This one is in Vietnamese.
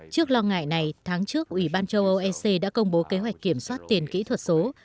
trước lo ngại này tháng trước ủy ban châu âu ec đã công bố kế hoạch kiểm soát tiền kỹ thuật số